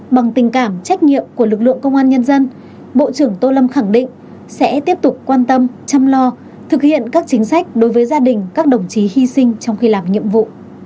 bằng tình cảm trách nhiệm của lực lượng công an nhân dân bộ trưởng tô lâm khẳng định sẽ tiếp tục quan tâm chăm lo thực hiện các chính sách đối với gia đình các đồng chí hy sinh trong khi làm nhiệm vụ